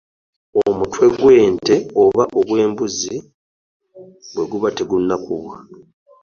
Omutwe gw'ente oba ogw'embuzi bweguba tegunnakubwa .